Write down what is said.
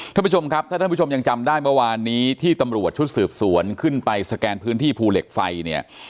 ท่านผู้ชมครับถ้าท่านผู้ชมยังจำได้เมื่อวานนี้ที่ตำรวจชุดสืบสวนขึ้นไปสแกนพื้นที่ภูเหล็กไฟเนี่ย